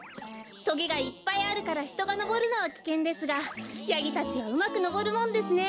とげがいっぱいあるからひとがのぼるのはきけんですがヤギたちはうまくのぼるもんですね。